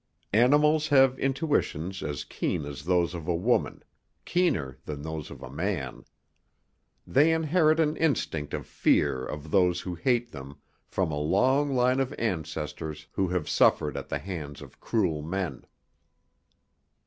Animals have intuitions as keen as those of a woman, keener than those of a man. They inherit an instinct of fear of those who hate them from a long line of ancestors who have suffered at the hands of cruel men.